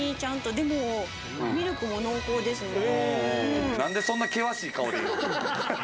でもミルクも濃厚ですね。